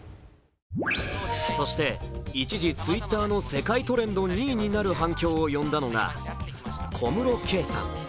そして一時Ｔｗｉｔｔｅｒの世界トレンド２位になる反響を呼んだのが小室圭さん。